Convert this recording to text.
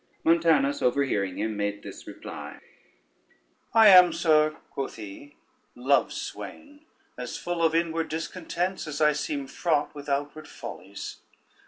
Montanus overhearing him, made this reply: "I am, sir," quoth he, "Love's swain, as full of inward discontents as I seem fraught with outward follies.